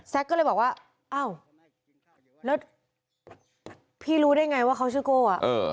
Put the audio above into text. ก็เลยบอกว่าอ้าวแล้วพี่รู้ได้ไงว่าเขาชื่อโก้อ่ะเออ